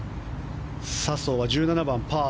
笹生は１７番、パー。